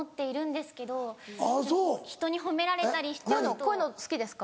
こういうの好きですか？